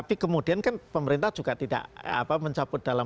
beberapa beberapa pagi kami hal bila